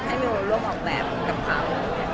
ให้แหมวร่วมออกแบบกับเขา